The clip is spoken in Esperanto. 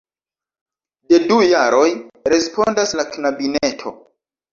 De du jaroj, respondas la knabineto.